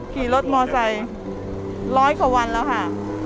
ขี่รถมอไซค์ร้อยกว่าวันแล้วค่ะ